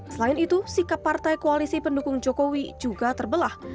selain itu sikap partai koalisi pendukung jokowi juga terbelah